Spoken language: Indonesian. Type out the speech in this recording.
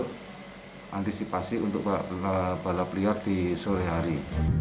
untuk antisipasi untuk balap liar di sore hari